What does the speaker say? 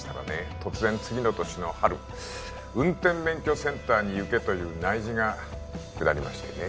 突然次の年の春運転免許センターに行けという内示が下りましてね